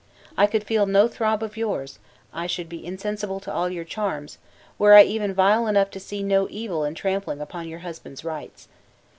I could feel no throb of yours; I should be insensible to all your charms, were I even vile enough to see no evil in trampling upon your husband's rights.